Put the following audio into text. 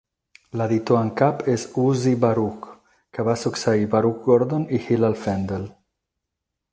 L'editor en cap és Uzi Baruch, que va succeir Baruch Gordon i Hillel Fendel.